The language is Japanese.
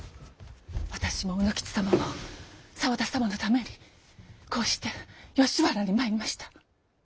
私も卯之吉様も沢田様のためにこうして吉原に参りました。